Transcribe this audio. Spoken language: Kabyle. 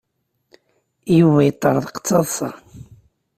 Yuba yeṭṭerḍeq d taḍsa.